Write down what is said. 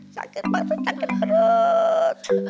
sakit perut sakit perut